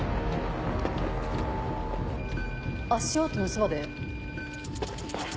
足音のそばで。